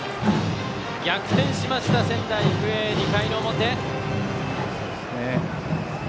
逆転しました仙台育英、２回の表。